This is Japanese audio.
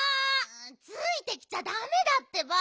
ついてきちゃだめだってば。